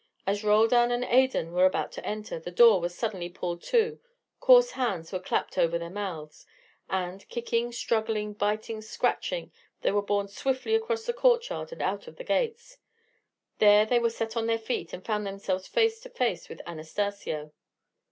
As Roldan and Adan were about to enter, the door was suddenly pulled to, coarse hands were clapped over their mouths, and, kicking, struggling, biting, scratching, they were borne swiftly across the courtyard and out of the gates. There they were set on their feet, and found themselves face to face with Anastacio.